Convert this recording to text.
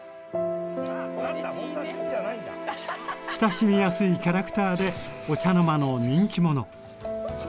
親しみやすいキャラクターでお茶の間の人気者。